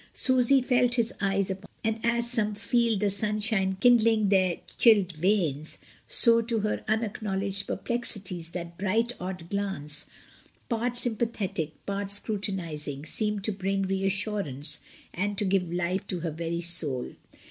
Susy felt his eyes upon her, and as some feel the sun shine kindling their chilled veins, so to her un acknowledged perplexities that bright odd glance, part s)rmpathetic, part scrutinising, seemed to bring reassurance and to give life to her very soul.